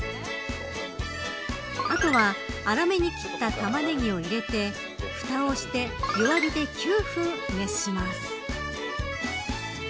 後は、粗めに切ったタマネギを入れてふたをして弱火で９分熱します。